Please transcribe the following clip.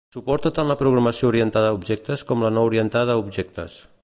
Suporta tant la programació orientada a objectes com la no orientada a objectes.